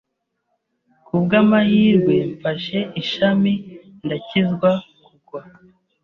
Kubwamahirwe, mfashe ishami ndakizwa kugwa.